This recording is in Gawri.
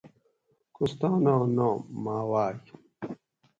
کوھستانا نام------- ماواۤک